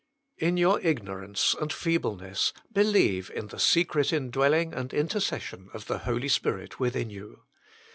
In your ignorance and feebleness believe in the secret indwelling and intercession of the Holy Spirit within you.